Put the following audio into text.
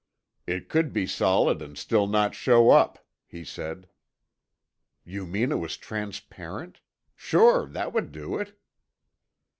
"It could be solid and still not show up," he said. "You mean it was transparent? Sure, that would do it!"